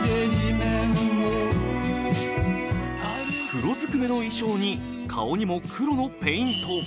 黒ずくめの衣装に顔にも黒のペイント。